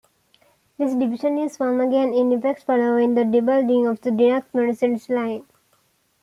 This division is once again in effect following the rebuilding of the Deux-Montagnes line.